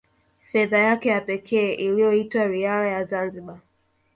Fedha yake ya pekee iliyoitwa Riala ya Zanzibar